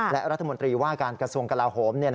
และรัฐมนตรีว่าการกระทรวงกลาโหม